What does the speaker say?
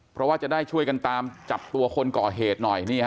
เพราะว่าจะได้ช่วยกันตามจับตัวคนก่อเหตุหน่อย